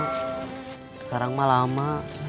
sekarang mah lama